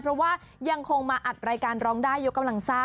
เพราะว่ายังคงมาอัดรายการร้องได้ยกกำลังซ่า